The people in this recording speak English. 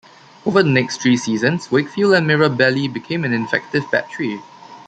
Over the next three seasons, Wakefield and Mirabelli became an effective battery.